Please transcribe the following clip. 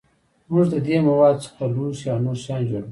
موږ د دې موادو څخه لوښي او نور شیان جوړوو.